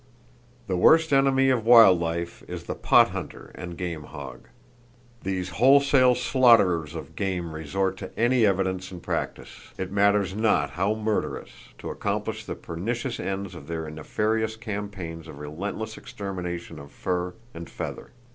"The worst enemy of wild life is the pot hunter and game hog. These wholesale slaughterers of game resort to any device and practice, it matters not how murderous, to accomplish the pernicious ends of their nefarious campaign of relentless extermination of fur and feather.